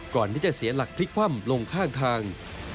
ก่อนที่จะเสียหลักพลิกคว่ำลงข้างทาง